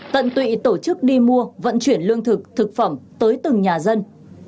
tận tụy tổ chức đi mua vận chuyển lương thực thực phẩm tới từng nhà dân